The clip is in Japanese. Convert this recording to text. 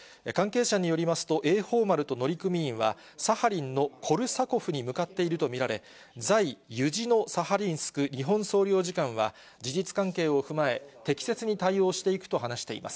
関係者によりますと、えいほう丸と乗組員はサハリンのコルサコフに向かっていると見られ、在ユジノサハリンスク日本総領事館は事実関係を踏まえ、適切に対応していくと話しています。